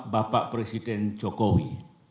bapak presiden jokowi